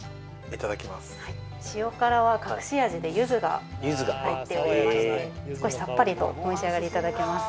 はい塩辛は隠し味で柚子が柚子がへえ入っておりまして少しさっぱりとお召し上がりいただけます